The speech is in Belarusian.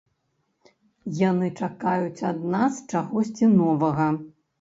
Яны чакаюць ад нас чагосьці новага.